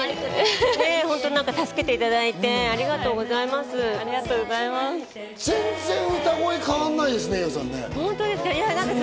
助けていただいて、ありがとうございます。